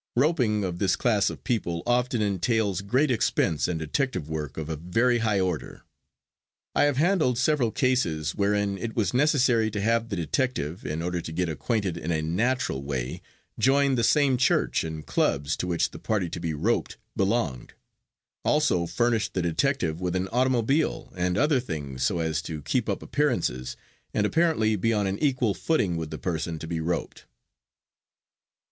"Roping" of this class of people often entails great expense and detective work of a very high order. I have handled several cases wherein it was necessary to have the detective, in order to get acquainted in a natural way, join the same church and clubs to which the party to be "roped" belonged, also furnished the detective with an automobile and other things so as to keep up appearances, and apparently be on an equal footing with the person to be "roped."